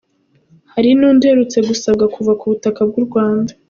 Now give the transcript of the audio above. Hari n’undi uherutse gusabwa kuva ku butaka bw’u Rwanda.